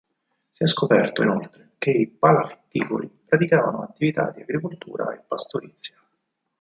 Si è scoperto inoltre che i palafitticoli praticavano attività di agricoltura e pastorizia.